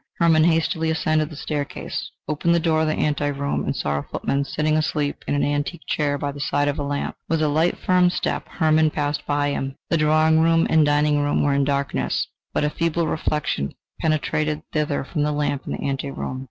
Hermann hastily ascended the staircase, opened the door of the ante room and saw a footman sitting asleep in an antique chair by the side of a lamp. With a light firm step Hermann passed by him. The drawing room and dining room were in darkness, but a feeble reflection penetrated thither from the lamp in the ante room.